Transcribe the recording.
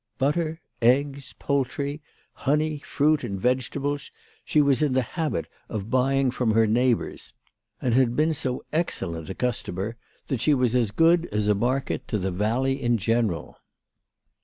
Butter, eggs, poultry, honey, fruit, and vegetables, she was in the habit of buying from her neighbours, and had been so excellent a customer that she was as good as a market to the valley in 42 WHY FRAU FROHMANN RAISED HER PRICES. general.